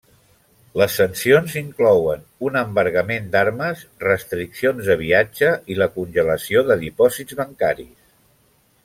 Les sancions inclouen un embargament d'armes, restriccions de viatge i la congelació de dipòsits bancaris.